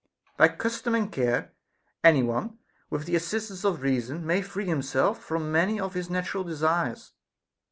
By custom and care any one, with the assistance SOCRATES'S DAEMON. 397 of reason, may free himself from many of his natural desires.